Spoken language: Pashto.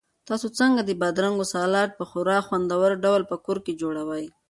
تاسو څنګه د بادرنګو سالاډ په خورا خوندور ډول په کور کې جوړوئ؟